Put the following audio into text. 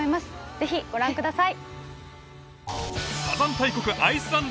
ぜひご覧ください。